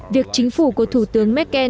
việc chính phủ của thủ tướng merkel